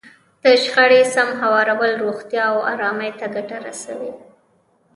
د شخړې سم هوارول روغتیا او ارامۍ ته ګټه رسوي.